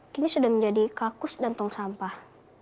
kini sudah menjadi kakus dan tong sampah